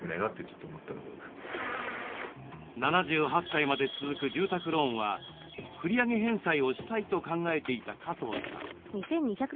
７８歳まで続く住宅ローンは繰り上げ返済をしたいと考えていた加藤さん。